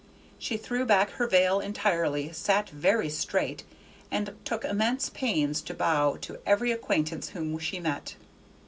She threw back her veil entirely, sat very straight, and took immense pains to bow to every acquaintance whom she met.